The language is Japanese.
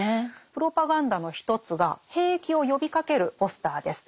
プロパガンダの一つが兵役を呼びかけるポスターです。